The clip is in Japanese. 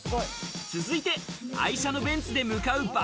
続いて、愛車のベンツで向かう爆